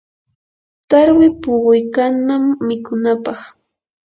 tarwi puquykannam mikunapaq.